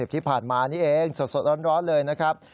ที่ผ่านมานี่เองสดร้อนเลยนะครับ